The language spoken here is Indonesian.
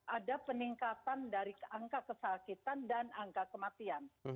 ada peningkatan dari angka kesakitan dan angka kematian